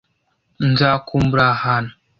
Nzakumbura aha hantu.